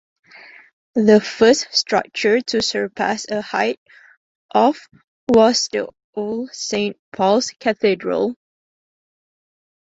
The first structure to surpass a height of was the Old Saint Paul's Cathedral.